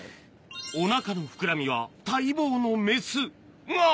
おなかの膨らみは待望のメス。が！